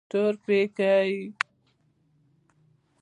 تورپيکۍ.